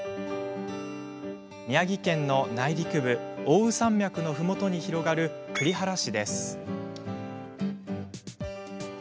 宮城県の内陸部奥羽山脈のふもとに広がる栗原市です。